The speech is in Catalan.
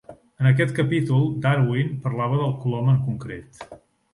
En aquest capítol, Darwin parlava del colom en concret.